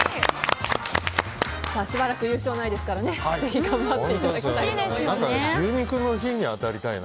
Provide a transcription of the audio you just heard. しばらく優勝がないですからぜひ頑張ってください。